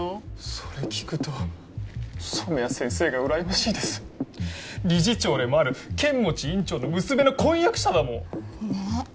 それ聞くと染谷先生がうらやましいです理事長でもある剣持院長の娘の婚約者だもんねえ